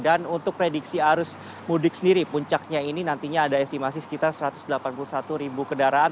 dan untuk prediksi arus mudik sendiri puncaknya ini nantinya ada estimasi sekitar satu ratus delapan puluh satu ribu kendaraan